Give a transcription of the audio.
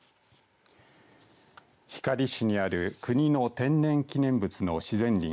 光市にある国の天然記念物の自然林